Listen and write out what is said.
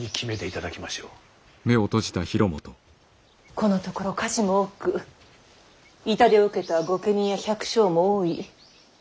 このところ火事も多く痛手を受けた御家人や百姓も多い。